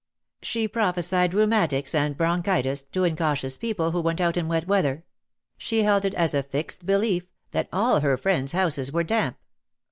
She prophesied rheumatics and bronchitis to incautious people who went out in wet weather — she held it as a fixed belief that all her friends' houses were damp.